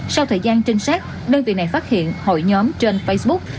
sau thời gian trinh sát đơn vị này phát hiện hội nhóm trên facebook